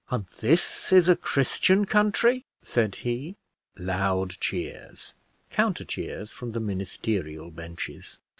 "And this is a Christian country?" said he. (Loud cheers; counter cheers from the ministerial benches.